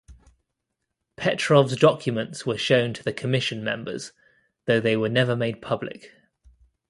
Petrov's documents were shown to the commission members, though they were never made public.